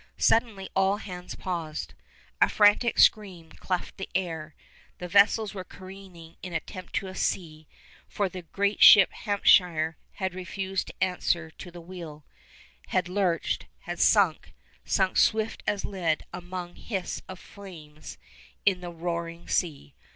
Suddenly all hands paused. A frantic scream cleft the air. The vessels were careening in a tempestuous sea, for the great ship Hampshire had refused to answer to the wheel, had lurched, had sunk, sunk swift as lead amid hiss of flames into the roaring sea!